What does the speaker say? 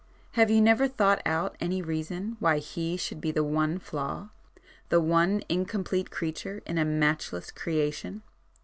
Have you never thought out any reason why he should be the one flaw,—the one incomplete creature in a matchless Creation?"